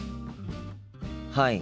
はい。